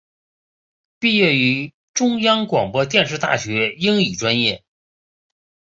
毕业于中央广播电视大学英语专业。